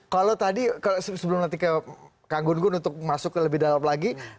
kalau tadi sebelum nanti ke kang gun gun untuk masuk ke lebih dalam lagi